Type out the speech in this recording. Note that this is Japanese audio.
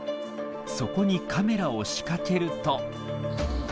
そこにカメラを仕掛けると。